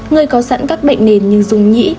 người có sẵn các bệnh nền như dung nhĩ